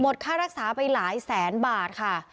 ค่ารักษาไปหลายแสนบาทค่ะ